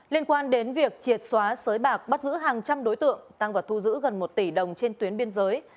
liên quan đến việc triệt xóa sới bạc bắt giữ hàng trăm đối tượng tăng và thu giữ gần một tỷ đồng trên tuyến biên giới